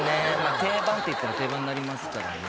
定番っていったら定番になりますからね。